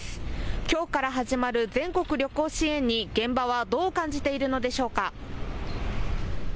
きょうから始まる全国旅行支援に現場はどう感じているのでしょうか。